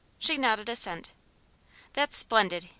She nodded assent. "That's splendid!"